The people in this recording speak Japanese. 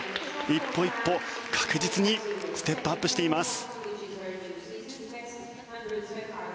一歩一歩確実にステップアップしています。